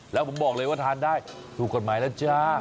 แล้วผมบอกเลยว่าทานได้ถูกกฎหมายแล้วจ้า